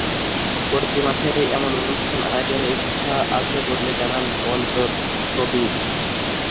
প্রতি মাসেই এমন অনুষ্ঠান আয়োজনের ইচ্ছা আছে বলে জানাল অন্তর শোবিজ।